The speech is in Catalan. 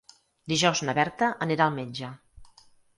Dijous na Berta anirà al metge.